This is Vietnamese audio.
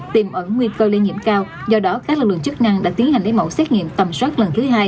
tìm ẩn nguy cơ lây nhiễm cao do đó các lực lượng chức năng đã tiến hành lấy mẫu xét nghiệm tầm soát lần thứ hai